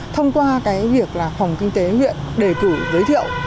thông qua việc phòng kinh tế huyện đề cử giới thiệu